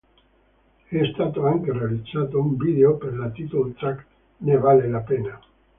È stato anche realizzato un video per la title track "Ne vale la pena".